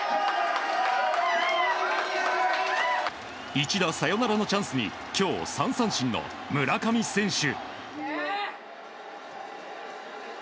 一打サヨナラのチャンスに今日３三振の村上選手。